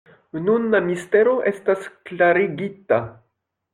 Nun la mistero estas klarigita.